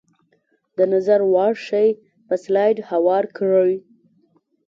د نظر وړ شی په سلایډ هوار کړئ.